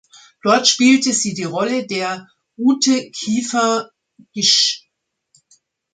Dort spielt sie die Rolle der "Ute Kiefer, gesch.